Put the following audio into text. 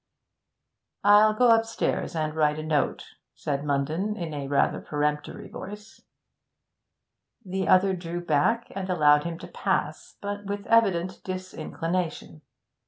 'I'll go upstairs and write a note,' said Munden, in a rather peremptory voice. The other drew back and allowed him to pass, but with evident disinclination.